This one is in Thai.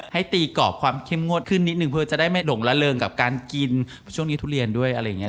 ให้ตีกรอบความเข้มงวดขึ้นนิดนึงเพื่อจะได้ไม่ด่งละเริงกับการกินช่วงนี้ทุเรียนด้วยอะไรอย่างนี้